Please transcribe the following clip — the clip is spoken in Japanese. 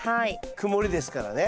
曇りですからね。